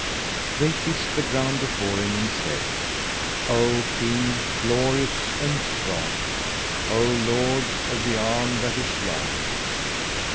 They kissed the ground before him and said, "O King glorious and strong! O lord of the arm that is long!